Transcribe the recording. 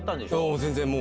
全然もう。